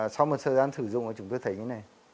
sau một thời gian sử dụng chúng tôi thấy như thế này